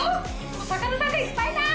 お魚さんがいっぱいだ！